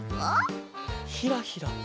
ひらひら。